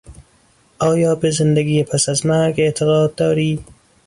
آیا به زندگی پس از مرگ اعتقاد داری؟